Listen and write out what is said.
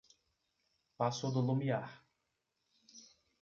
Paço do Lumiar